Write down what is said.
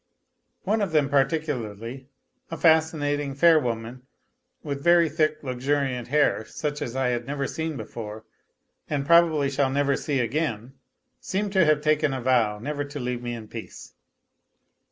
One of them particularly, a fascinating, fair woman, with very thick luxuriant hair, such as I had never seen before and probably shall never see again, seemed to have taken a vow never to leave me in peace.